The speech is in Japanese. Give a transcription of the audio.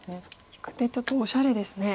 引く手ちょっとおしゃれですね。